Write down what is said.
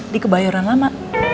di kebayoran lama